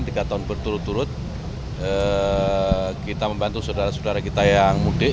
tiga tahun berturut turut kita membantu saudara saudara kita yang mudik